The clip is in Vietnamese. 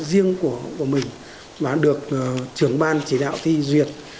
đặc biệt là một phương án riêng của mình và được trưởng ban chỉ đạo thi duyệt